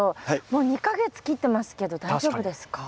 もう２か月切ってますけど大丈夫ですか？